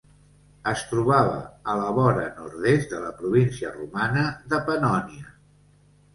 Es trobava a la vora nord-est de la província romana de Pannònia.